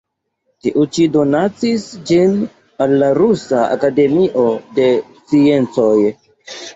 Tiu ĉi donacis ĝin al la Rusa Akademio de Sciencoj.